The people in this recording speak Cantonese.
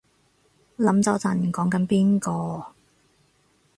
諗咗陣講緊邊個